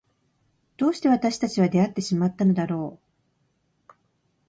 どうして私たちは出会ってしまったのだろう。